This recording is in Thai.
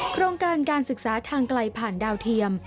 โครงการการศึกษาทางไกลผ่านดาวเทียม